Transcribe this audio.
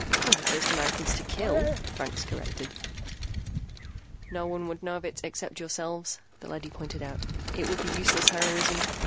"Or the first Americans to kill," Franks corrected. "No one would know of it except yourselves," the leady pointed out. "It would be useless heroism.